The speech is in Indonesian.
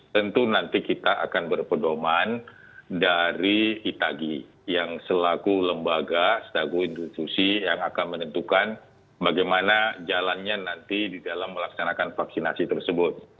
tentu nanti kita akan berpedoman dari itagi yang selaku lembaga selaku institusi yang akan menentukan bagaimana jalannya nanti di dalam melaksanakan vaksinasi tersebut